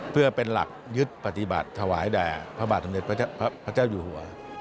เพื่อเป็นหลักยึดปฏิบัติถวายแด่พระบาทสมเด็จพระเจ้าอยู่หัว